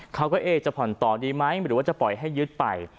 เขาก็จะผ่อนต่อดีไหมหรือว่าจะปล่อยให้ยึดไป